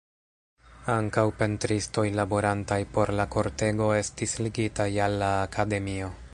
Ankaŭ pentristoj laborantaj por la kortego estis ligitaj al la akademio.